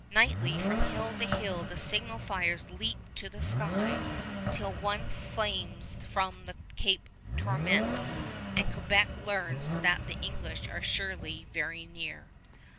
Nightly from hill to hill the signal fires leap to the sky, till one flames from Cape Tourmente, and Quebec learns that the English are surely very near.